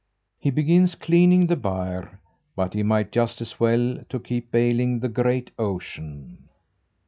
He begins cleaning the byre, but he might just as well to keep baling the great ocean.